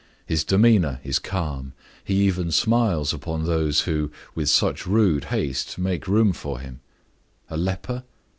His demeanor is calm; he even smiles upon those who, with such rude haste, make room for him. A leper?